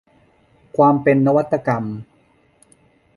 ความเป็นนวัตกรรม